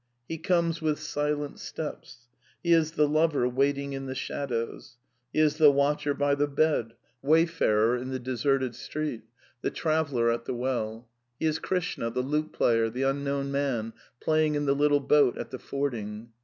He comes " with silent steps." He is the lover waiting in the shadows. He is the watcher by the bed, the solitary way v 278 A DEFENCE OF IDEALISM f arer in the deserted street, the traveller at the well ; he is Krishna, the lute player, the " unknown man " playing in the little boat at the fording.